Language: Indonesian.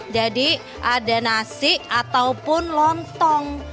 jadi ada nasi ataupun lontong